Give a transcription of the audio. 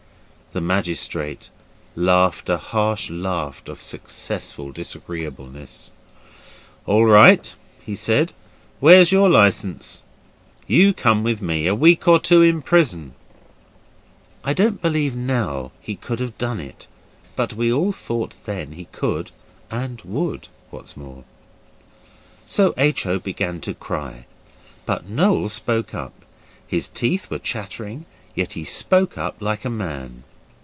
The magistrate laughed a harsh laugh of successful disagreeableness. 'All right,' said he, 'where's your licence? You come with me. A week or two in prison.' I don't believe now he could have done it, but we all thought then he could and would, what's more. So H. O. began to cry, but Noel spoke up. His teeth were chattering yet he spoke up like a man.